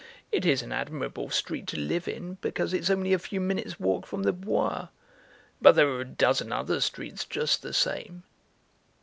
It is an admirable street to live in because it's only a few minutes' walk from the Bois, but there are a dozen other streets just the same."